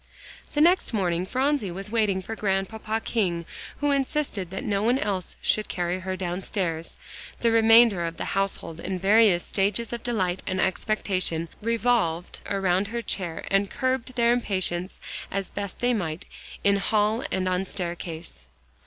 The next morning Phronsie was waiting for Grandpapa King, who insisted that no one else should carry her downstairs, the remainder of the household in various stages of delight and expectation, revolving around her, and curbing their impatience as best they might, in hall and on staircase.